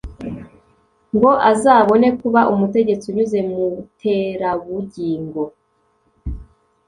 ngo azabone kuba umutegetsi unyuze muterabugingo.